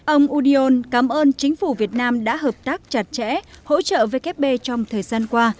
ông udion cảm ơn chính phủ việt nam đã hợp tác chặt chẽ hỗ trợ vkp trong thời gian qua